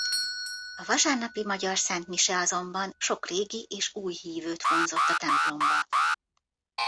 A vasárnapi magyar szentmise azonban sok régi és új hívőt vonzott a templomba.